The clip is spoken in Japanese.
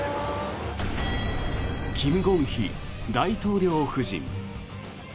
キム・ゴンヒ大統領夫人。